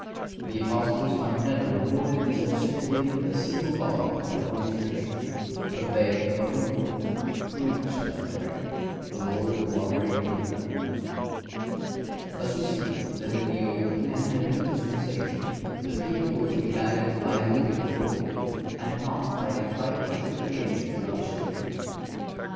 The Apostles are never reported to have circulated a single volume of the Holy Scripture, but "they going forth, preached everywhere, the Lord co operating with them."(143) Thus we see that in the Old and the New Dispensation the people were to be guided by a living authority, and not by their private interpretation of the Scriptures.